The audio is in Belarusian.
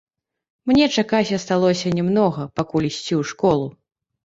Мне чакаць асталося не многа, пакуль ісці ў школу.